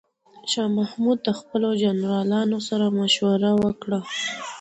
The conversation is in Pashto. شاه محمود د خپلو جنرالانو سره مشوره وکړه.